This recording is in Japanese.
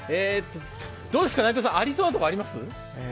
どうですか、内藤さんありそうなとこ、ありますか？